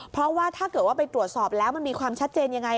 เพราะว่าถ้าเกิดว่าไปตรวจสอบแล้วมันมีความชัดเจนยังไง